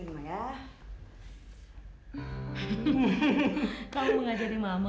kau mengajari mama